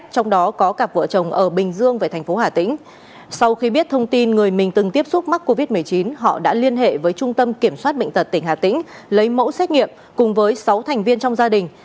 trong khi biết thông tin người mình từng tiếp xúc mắc covid một mươi chín họ đã liên hệ với trung tâm kiểm soát bệnh tật tỉnh hà tĩnh lấy mẫu xét nghiệm cùng với sáu thành viên trong gia đình